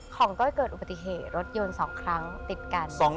ก้อยเกิดอุบัติเหตุรถยนต์๒ครั้งติดกัน